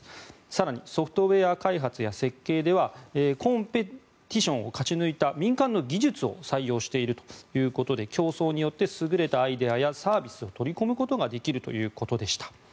更にソフトウェア開発や設計ではコンペティションを勝ち抜いた民間の技術を採用しているということで競争によって優れたアイデアやサービスを取り込むことができるということでした。